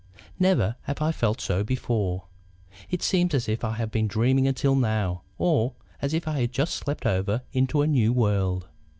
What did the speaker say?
Never have I felt so before. It seems as if I had been dreaming until now or as if I had just slept over into a new world.